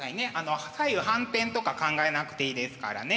左右反転とか考えなくていいですからね。